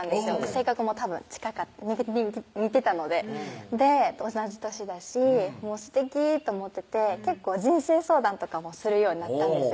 性格もたぶん近かった似てたので同じ歳だしすてきと思ってて結構人生相談とかもするようになったんですよ